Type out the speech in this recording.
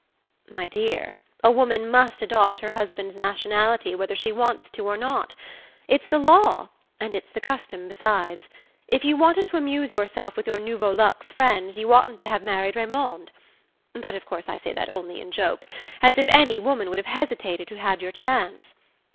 "My dear, a woman must adopt her husband's nationality whether she wants to or not. It's the law, and it's the custom besides. If you wanted to amuse yourself with your Nouveau Luxe friends you oughtn't to have married Raymond but of course I say that only in joke. As if any woman would have hesitated who'd had your chance!